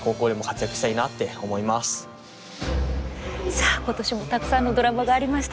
さあ今年もたくさんのドラマがありました。